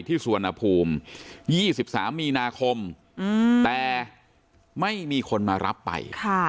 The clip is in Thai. สุวรรณภูมิ๒๓มีนาคมแต่ไม่มีคนมารับไป